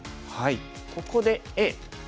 ここでＡ。